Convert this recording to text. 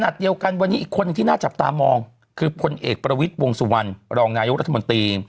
เดียวกันวันนี้อีกคนหนึ่งที่น่าจับตามองคือพลเอกประวิทย์วงสุวรรณรองนายกรัฐมนตรี